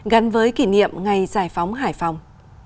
gắn với kỷ niệm ngày giải phóng hải phòng